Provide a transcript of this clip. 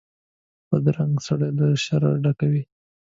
بدرنګه سړی له شره ډک وي